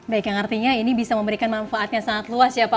baik yang artinya ini bisa memberikan manfaatnya sangat luas ya pak